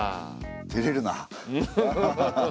てれるな。